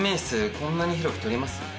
こんなに広く取ります？